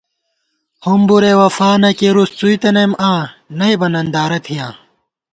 ہُمبُرے وفا نہ کېرُوس څُوئی تنَئیم آں نئ بہ نندارہ تھِیاں